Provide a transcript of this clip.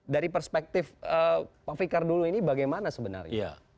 dari perspektif pak fikar dulu ini bagaimana sebenarnya